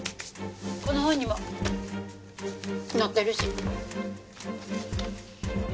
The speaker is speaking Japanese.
この本にも載ってるし。